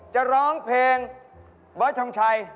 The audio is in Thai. จะร้องเพลงเบิร์ดทงชัย